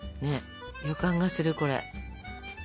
予感がするこれ。